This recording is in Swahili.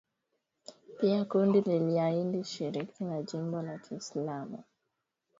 Pia kundi liliahidi ushirika na jimbo la kiislam mwaka elfu mbili kumi na tisa.